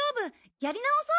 やり直そう！